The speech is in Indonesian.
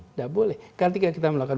tidak boleh ketika kita melakukan